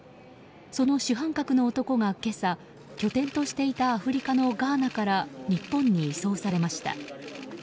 その主犯格の男が今朝拠点としていたアフリカのガーナから日本に移送されました。